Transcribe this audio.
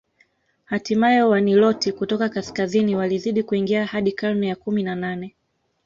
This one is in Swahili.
Hatimaye Waniloti kutoka kaskazini walizidi kuingia hadi karne ya kumi na nane